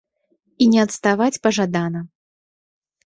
І не адставаць пажадана.